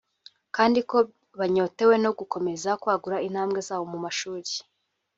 kandi ko banyotewe no gukomeza kwagura intambwe zabo mu mashuri